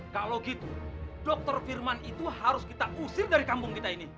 kalau gitu dokter firman itu harus kita usir dari kampung kita ini